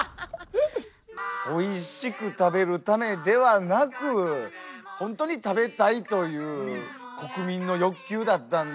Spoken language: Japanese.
おいしく食べるためではなくほんとに食べたいという国民の欲求だったんだ。